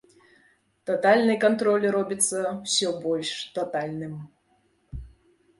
Татальны кантроль робіцца ўсё больш татальным.